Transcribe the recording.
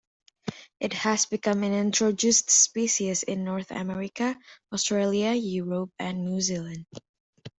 It has become an introduced species in North America, Australia, Europe, and New Zealand.